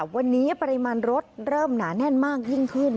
วันนี้ปริมาณรถเริ่มหนาแน่นมากยิ่งขึ้น